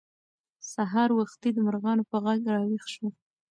سهار وختي د مرغانو په غږ راویښ شوو.